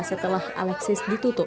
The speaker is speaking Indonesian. setelah alexis ditutup